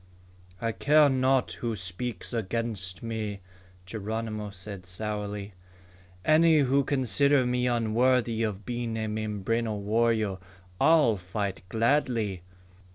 "I care not who speaks against me," Geronimo said sourly. "Any who consider me unworthy of being a Mimbreno warrior I'll fight gladly."